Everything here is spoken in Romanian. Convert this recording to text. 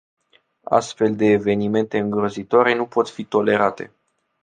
Astfel de evenimente îngrozitoare nu pot fi tolerate.